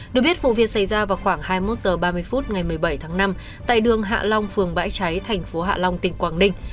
được biết vụ việc xảy ra vào khoảng hai mươi một h ba mươi phút ngày một mươi bảy tháng năm tại đường hạ long phường bãi cháy thành phố hạ long tỉnh quảng ninh